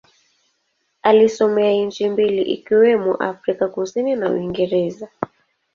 Alisomea nchi mbili ikiwemo Afrika Kusini na Uingereza.